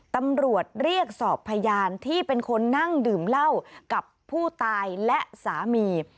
ตำรวจเรียกสอบพยานที่เป็นคนนั่งดื่มเหล้ากับผู้ตายและสามี